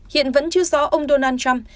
hiện vẫn chưa rõ ông donald trump